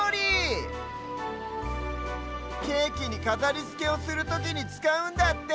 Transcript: ケーキにかざりつけをするときにつかうんだって！